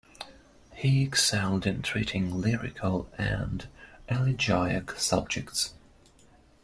He excelled in treating lyrical and elegiac subjects.